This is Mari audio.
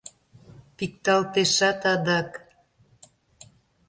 Пикталтешат адак!